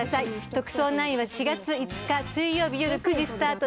『特捜９』は４月５日水曜日よる９時スタートです。